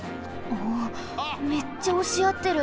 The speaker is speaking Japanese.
おおめっちゃおしあってる。